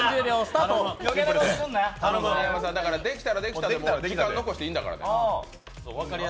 できたらできたで時間残していいんだから。